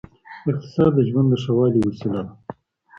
اقتصاد د ژوند د ښه والي وسیله ده.